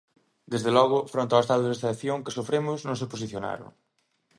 Desde logo, fronte ao Estado de Excepción que sofremos non se posicionaron.